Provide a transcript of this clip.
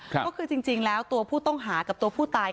ก็คือจริงแล้วตัวผู้ต้องหากับตัวผู้ตาย